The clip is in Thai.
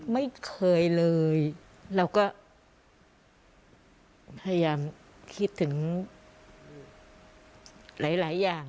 ไม่เคยเลยเราก็พยายามคิดถึงหลายอย่าง